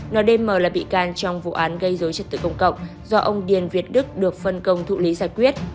ndmm là bị can trong vụ án gây dối trật tự công cộng do ông điền việt đức được phân công thụ lý giải quyết